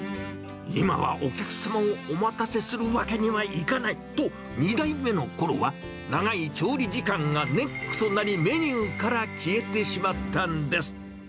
今はお客さんをお待たせするわけにはいかないと、２代目のころは、長い調理時間がネックとなり、メニューから消えてしまったんです。